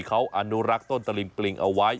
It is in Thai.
เขาอนุรักษ์ต้นตะลิงปลิงเอาไว้